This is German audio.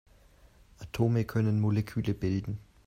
Atome können Moleküle bilden.